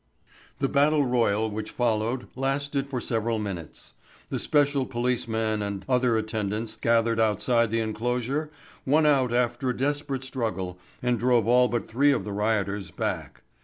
The battle royal which followed lasted for several minutes. The special policeman and other attendants gathered outside the enclosure won out after a desperate struggle and drove all but three of the rioters back.